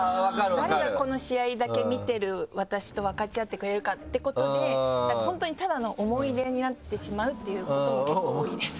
誰がこの試合だけ見てる私と分かち合ってくれるかってことで本当にただの思い出になってしまうっていうことも結構多いですね。